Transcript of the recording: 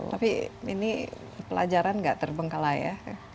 tapi ini pelajaran gak terbengkalai ya